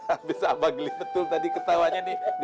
abis abah geli betul ketawanya nih